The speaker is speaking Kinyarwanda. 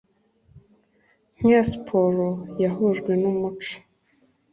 nk’iya siporo yahujwe n’umuco